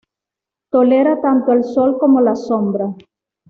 Tolera tanto el sol como la sombra.